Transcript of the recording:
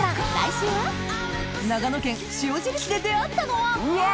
長野県塩尻市で出合ったのはうわ！